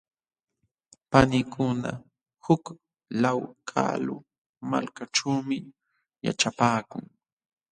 Paniykuna huk law kalu malkaćhuumi yaćhapaakun.